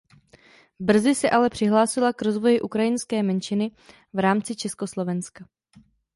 Brzy se ale přihlásila k rozvoji ukrajinské menšiny v rámci Československa.